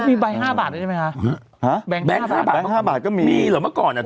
มีบันดาลก็ออกไมกะด้วยนะครับ